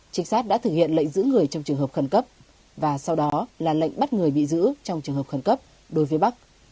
trinh sát đã thực hiện lệnh giữ người trong trường hợp khẩn cấp và sau đó là lệnh bắt người bị giữ trong trường hợp khẩn cấp đối với bắc